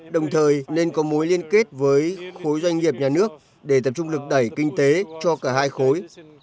đồng thời nên có mối liên kết với khối doanh nghiệp nhà nước để tập trung lực đẩy kinh tế cho cả hai khối